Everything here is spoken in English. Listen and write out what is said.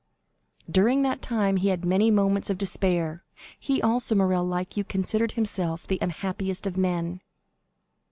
"During that time he had many moments of despair. He also, Morrel, like you, considered himself the unhappiest of men."